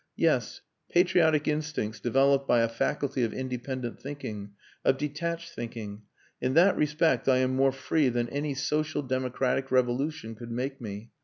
"Yes, patriotic instincts developed by a faculty of independent thinking of detached thinking. In that respect I am more free than any social democratic revolution could make me.